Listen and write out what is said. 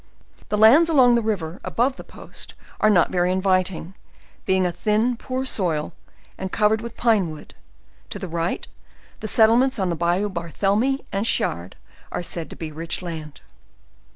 The lands along the river, above the post, are not very inviting, being a thin poor soil, and covered with pine wood. To the right, the settlements on the bayou Barthelemi and Siard, are said to be rich land.